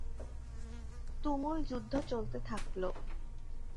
তুমুল যুদ্ধ চলতে থাকল।